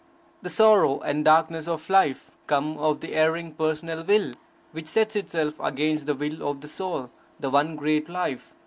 The sorrow and darkness of life come of the erring personal will which sets itself against the will of the Soul, the one great Life.